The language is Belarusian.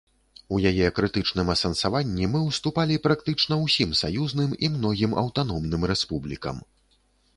У яе крытычным асэнсаванні мы ўступалі практычна ўсім саюзным і многім аўтаномным рэспублікам.